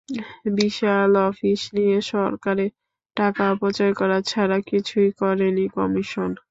বিশাল office নিয়ে সরকারের টাকা অপচয় করা ছাড়া কিছুই করেনি কমিশন।